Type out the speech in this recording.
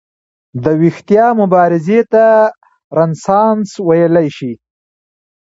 د ویښتیا مبارزې ته رنسانس ویلی شي.